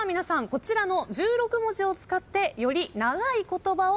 こちらの１６文字を使ってより長い言葉を作ってください。